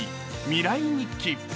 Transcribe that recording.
「未来日記」。